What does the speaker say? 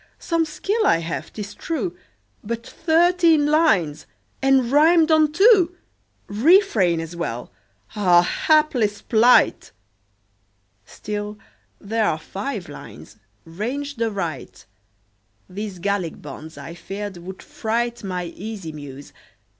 Some skill I have, 'tis true; But thirteen lines! and rimed on two! "Refrain" as well. Ah, Hapless plight! Still, there are five lines ranged aright. These Gallic bonds, I feared, would fright My easy Muse.